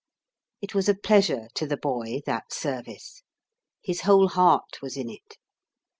It was a pleasure to the boy, that service. His whole heart was in it.